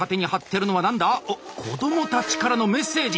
子どもたちからのメッセージ。